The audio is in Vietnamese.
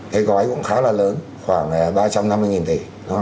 cái gói cũng khá là lớn khoảng ba trăm năm mươi tỷ